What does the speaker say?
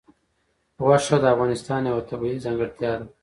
غوښې د افغانستان یوه طبیعي ځانګړتیا ده.